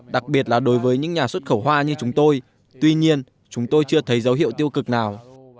đặc biệt là đối với những nhà xuất khẩu hoa như chúng tôi tuy nhiên chúng tôi chưa thấy dấu hiệu tiêu cực nào